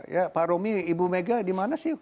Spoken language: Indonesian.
ya pak romi ibu mega di mana sih